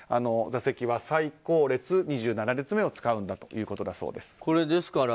座席は最後列２７列目を使うんだということだそうです。